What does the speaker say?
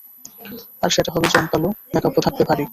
আর সেটা হবে জমকালো, মেকআপও থাকবে ভারী।